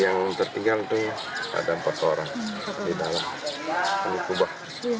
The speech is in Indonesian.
yang tertinggal itu ada empat orang di dalam mulut kubah